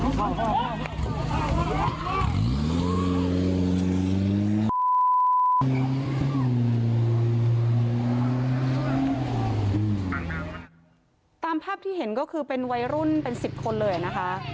ตามภาพที่เห็นก็คือเป็นวัยรุ่นเป็น๑๐คนเลยนะคะ